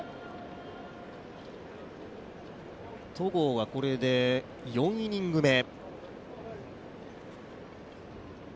戸郷はこれで４イニング目。